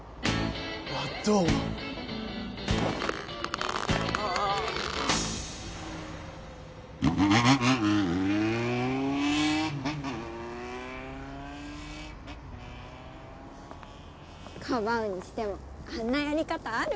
どどうもあぁかばうにしてもあんなやり方ある？